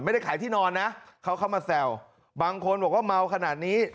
ไม่ได้ขายที่นอนนะเขาเข้ามาแซวบางคนบอกว่าเมาขนาดนี้